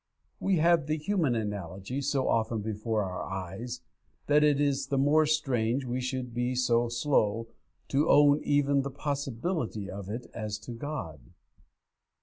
We have the human analogy so often before our eyes, that it is the more strange we should be so slow to own even the possibility of it as to God.